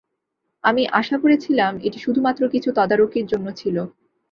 আমি আশা করেছিলাম এটি শুধুমাত্র কিছু তদারকির জন্য ছিলো।